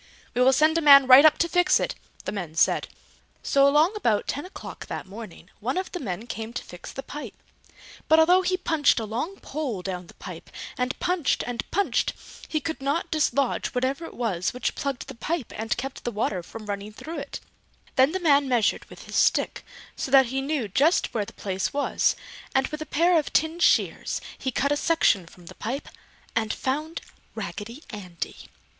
"We will send a man right up to fix it!" the men said. So along about ten o'clock that morning one of the men came to fix the pipe. But although he punched a long pole down the pipe, and punched and punched, he could not dislodge whatever it was which plugged the pipe and kept the water from running through it. [Illustration: Raggedy Ann and the dolls] [Illustration: The man finds Raggedy Andy] Then the man measured with his stick, so that he knew just where the place was, and with a pair of tin shears he cut a section from the pipe and found Raggedy Andy.